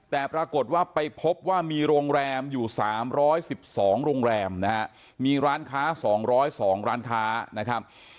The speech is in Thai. แต่ปรากฏว่าไปพบว่ามีโรงแรมอยู่๓๑๒โรงแรมนะฮะมีร้านค้า๒๐๒ร้านค้านะครับ